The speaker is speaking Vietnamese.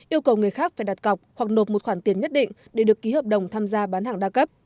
yêu cầu người khác phải đặt cọc hoặc nộp một khoản tiền nhất định để được ký hợp đồng tham gia bán hàng đa cấp